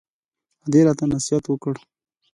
ادې راته نصيحت وکړ.